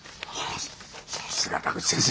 さすが田口先生。